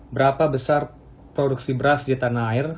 berapa besar produksi beras di tanah air